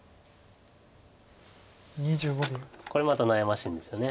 これまた悩ましいんですよね。